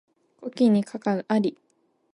枯木に寒鴉あり